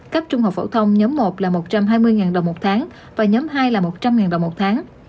cấp trung học phổ thông nhóm một là một trăm hai mươi đồng một tháng và nhóm hai là một trăm linh đồng một tháng